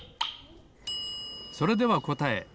それではこたえ。